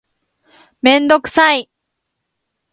めんどくさい